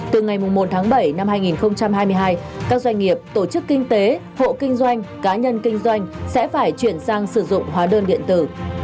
từ ngày một tháng bảy năm hai nghìn hai mươi hai các doanh nghiệp tổ chức kinh tế hộ kinh doanh cá nhân kinh doanh sẽ phải chuyển sang sử dụng hóa đơn điện tử